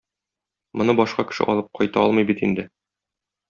Моны башка кеше алып кайта алмый бит инде.